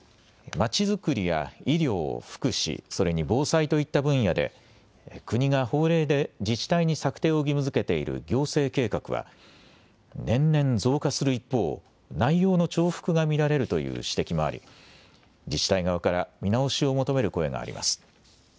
まちづくりや医療・福祉、それに防災といった分野で国が法令で自治体に策定を義務づけている行政計画は年々増加する一方、内容の重複が見られるという指摘もあり自治体側から見直しを求める声があります。